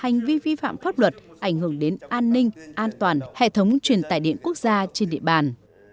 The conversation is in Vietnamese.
nếu vi phạm pháp luật ảnh hưởng đến an ninh an toàn hệ thống truyền tài điện quốc gia trên địa bàn